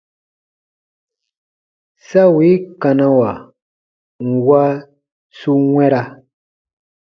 Sa wii karawa nwa su wɛ̃ra.